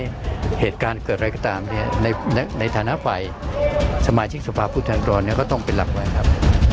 เหตุการณ์เกิดอะไรก็ตามในฐานะฝ่ายสมาชิกสภาพผู้แทนรก็ต้องเป็นหลักไว้ครับ